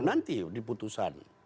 nanti di putusan